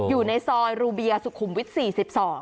อยู่ในซอยรูเบียร์สุขุมวิทย์๔๒